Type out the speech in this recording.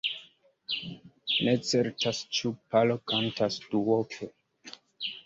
Ne certas ĉu paro kantas duope.